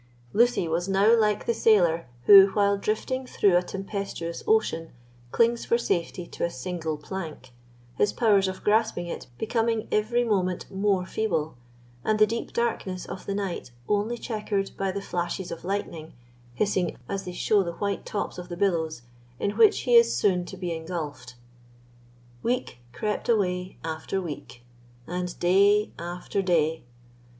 Lucy was now like the sailor who, while drifting through a tempestuous ocean, clings for safety to a single plank, his powers of grasping it becoming every moment more feeble, and the deep darkness of the night only checkered by the flashes of lightning, hissing as they show the white tops of the billows, in which he is soon to be engulfed. Week crept away after week, and day after day.